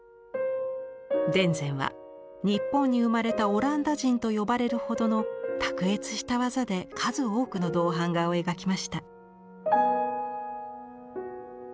田善は「日本に生まれたオランダ人」と呼ばれるほどの卓越した技で数多くの銅版画を描きました。